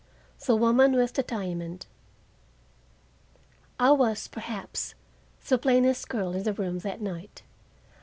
THE WOMAN WITH THE DIAMOND I was, perhaps, the plainest girl in the room that night.